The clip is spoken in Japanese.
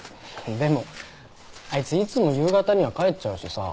でもあいついつも夕方には帰っちゃうしさ。